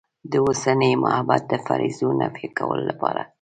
د اوسني مبحث د فرضیو نفي کولو لپاره.